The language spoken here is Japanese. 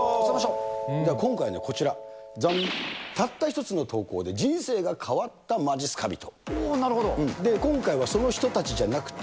今回はこちら、ざん、たった１つの投稿で人生が変わったまじっすか人。